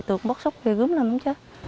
tôi cũng bất xúc ghi gướm lên không chứ